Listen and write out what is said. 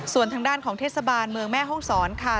ส่วนทางด้านของเทศบาลเมืองแม่ห้องศรค่ะ